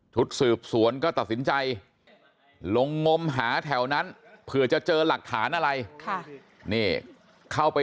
ทุศสืบสวนก็ตัดสินใจลงมหาแถวนั้นเพื่อจะเจอหลักฐานอะไร